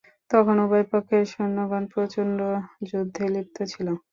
তখন উভয় পক্ষের সৈন্যগণ প্রচণ্ড যুদ্ধে লিপ্ত ছিল।